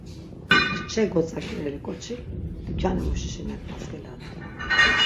Xçe gotzak̆ireli k̆oçik dukyanimuşişi nek̆nas geladgin.